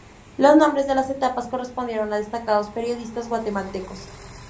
Los nombres de las etapas correspondieron a destacados periodistas guatemaltecos.